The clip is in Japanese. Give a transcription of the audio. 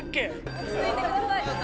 落ち着いてください。